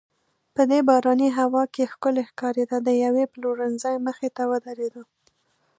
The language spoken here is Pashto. په دې باراني هوا کې ښکلې ښکارېده، د یوې پلورنځۍ مخې ته ودریدو.